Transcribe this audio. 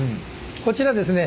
こちらですね